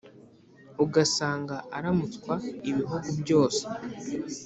Ugasanga aramutswa ibihugu byose,